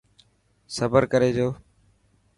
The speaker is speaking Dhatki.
صبر ڪري جو.